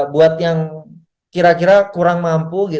buat yang kira kira kurang mampu